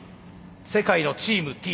世界のチームＴ。